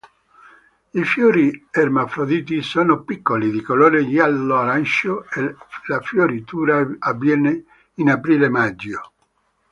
I fiori ermafroditi sono piccoli, di colore giallo-arancio e la fioritura avviene in aprile-maggio.